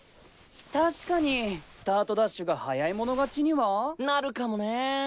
確かにスタートダッシュが早い者勝ちには。なるかもね。